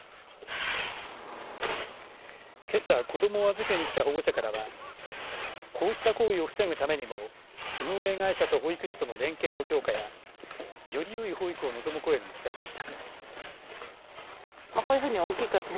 けさ子どもを預けに来た保護者からはこうした行為を防ぐためにも運営会社と保育士との連携の強化やよりよい保育を望む声が聞かれました。